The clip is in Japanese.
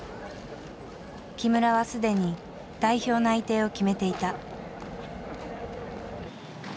木村は既に代表内定を決めていた。